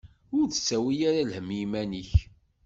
Ur d-ttawi ara lhemm i iman-ik.